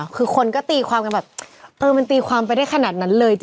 คือคนก็ตีความกันแบบเออมันตีความไปได้ขนาดนั้นเลย